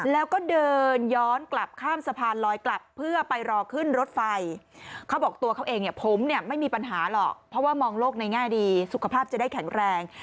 แล้วก็เดินย้อนกลับข้ามสะพานลอยกลับเพื่อไปรอขึ้นรถไฟเขาบอกตัวเขาเองเนี่ยผมเนี่ยไม่มีปัญหาหรอกเพราะว่ามองโลกในแง่ดีสุขภาพจะได้แข็งแรง